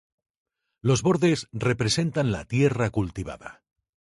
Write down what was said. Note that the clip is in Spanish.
Los bordes representan la tierra cultivada.